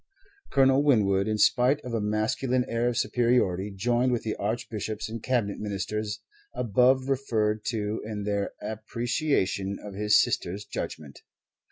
Colonel Winwood, in spite of a masculine air of superiority, joined with the Archbishops and Cabinet Ministers above referred to in their appreciation of his sister's judgment.